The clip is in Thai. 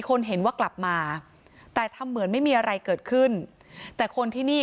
คนเห็นว่ากลับมาแต่ทำเหมือนไม่มีอะไรเกิดขึ้นแต่คนที่นี่